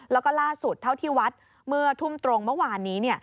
แล้วก็ล่าสุดเท่าที่วัดเมื่อทุ่มตรงเมื่อวานนี้